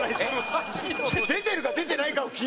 出てるか出てないかを。